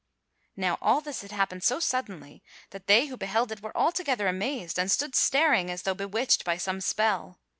Now all this had happened so suddenly that they who beheld it were altogether amazed and stood staring as though bewitched by some spell.